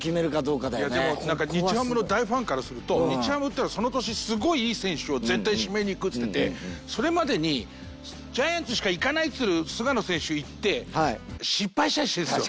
でも日ハムの大ファンからすると日ハムっていうのはその年すごいいい選手を絶対指名にいくっつっててそれまでに「ジャイアンツしかいかない」っつってる菅野選手いって失敗したりしてるんですよ。